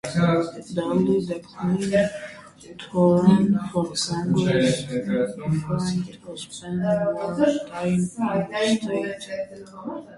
Dudley declined to run for Congress, preferring to spend more time in the state.